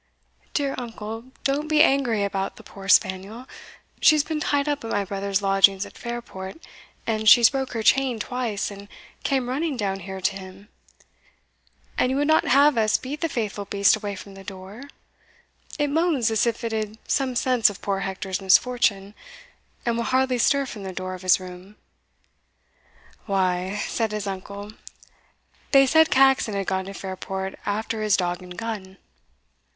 "Dear uncle, don't be angry about the poor spaniel; she's been tied up at my brother's lodgings at Fairport, and she's broke her chain twice, and came running down here to him; and you would not have us beat the faithful beast away from the door? it moans as if it had some sense of poor Hector's misfortune, and will hardly stir from the door of his room." "Why," said his uncle, "they said Caxon had gone to Fairport after his dog and gun."